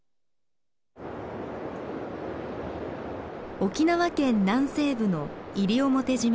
沖縄県南西部の西表島です。